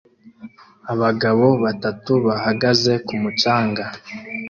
Abagabo batatu bahagaze ku mucanga